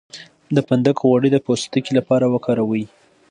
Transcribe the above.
د فندق غوړي د پوستکي لپاره وکاروئ